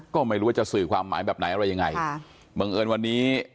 ก็ไม่รู้ว่าจะสื่อความหมายแบบไหนอะไรยังไงค่ะบังเอิญวันนี้